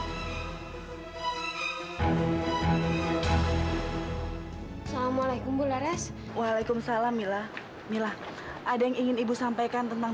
hai assalamualaikum bulares waalaikumsalam mila mila ada yang ingin ibu sampaikan tentang